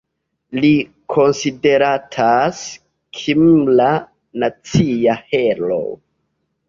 Li konsideratas kimra nacia heroo.